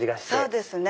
そうですね。